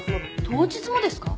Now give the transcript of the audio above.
当日もですか？